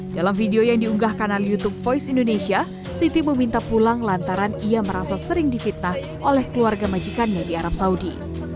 dalam video yang diunggah kanal youtube voice indonesia siti meminta pulang lantaran ia merasa sering difitnah oleh keluarga majikannya di arab saudi